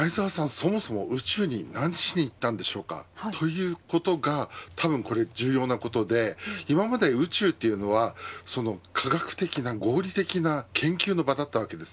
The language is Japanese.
そもそも宇宙に何しに行ったのでしょうかということがたぶん重要なことで今まで宇宙は科学的な合理的な研究の場だったわけです。